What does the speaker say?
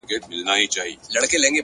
ژمنتیا له خوبه عمل جوړوي،